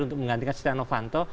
untuk menggantikan sidenovanto